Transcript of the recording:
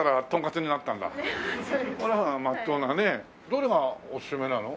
どれがおすすめなの？